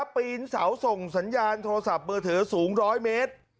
พีนเสาส่งสัญญาณโทรศัพท์ที่เมืองที่สูง๑๐๐เมตร